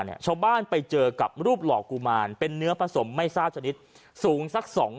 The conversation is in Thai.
ชาวบ้านไปเจอกับรูปหล่อกุมารเป็นเนื้อผสมไม่ทราบชนิดสูงสักสอง